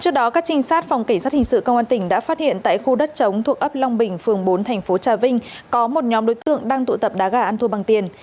trước đó các trinh sát phòng kỳ sát hình sự công an tỉnh đã phát hiện tại khu đất chống thuộc ấp long bình phường bốn thành phố trà vinh có một nhóm đối tượng đang tụ tập đá gà ăn thua bằng tiền